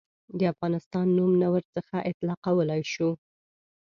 د افغانستان نوم نه ورڅخه اطلاقولای شو.